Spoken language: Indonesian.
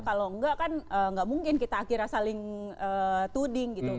kalau enggak kan nggak mungkin kita akhirnya saling tuding gitu